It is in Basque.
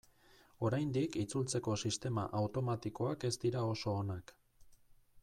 Oraindik itzultzeko sistema automatikoak ez dira oso onak.